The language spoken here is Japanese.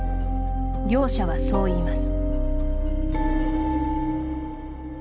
業者はそう言います。